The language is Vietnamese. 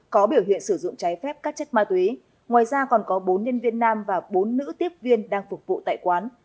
có biểu hiện sử dụng trái phép các chất ma túy ngoài ra còn có bốn nhân viên nam và bốn nữ tiếp viên đang phục vụ tại quán